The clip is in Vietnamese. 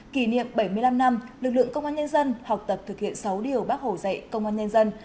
kỷ niệm bảy mươi năm năm lực lượng công an nhân dân học tập thực hiện sáu điều bác hồ dạy công an nhân dân